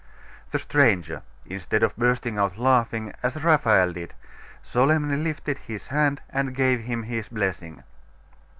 The stranger, instead of bursting out laughing, as Raphael did, solemnly lifted his hand, and gave him his blessing.